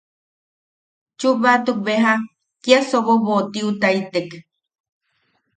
Chubatuk beja kia sobobotiutaitek.